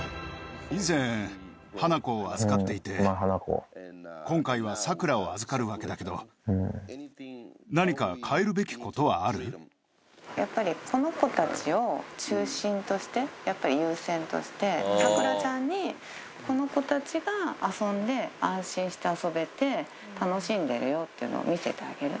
以前、ハナコを預かっていて、今回はサクラを預かるわけだけど、やっぱり、この子たちを中心として、やっぱり優先として、サクラちゃんに、この子たちが遊んで、安心して遊べて、楽しんでるよっていうのを見せてあげる。